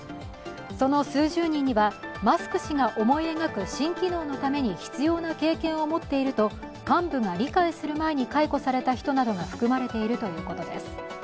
その数十人には、マスク氏が思い描く新機能のために必要な経験を持っていると幹部が理解する前に解雇された人などが含まれているということです。